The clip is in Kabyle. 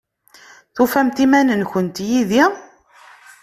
Tufamt iman-nkent yid-i?